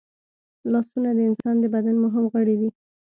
لاسونه د انسان د بدن مهم غړي دي